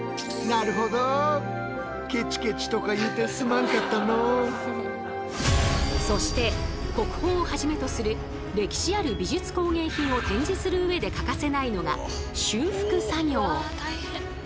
この作品からそして国宝をはじめとする歴史ある美術工芸品を展示する上で欠かせないのが修復作業。